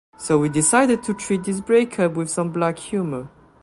So we decided to treat this breakup with some black humor.